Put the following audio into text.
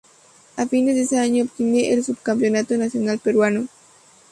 A fines de ese año obtiene el subcampeonato nacional peruano.